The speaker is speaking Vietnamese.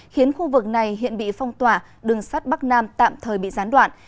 khiến khu vực này hiện bị phong tỏa đường sắt bắc nam tạm thời bị gián đoạn